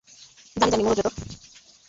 জানি জানি মুরোদ রে তোর।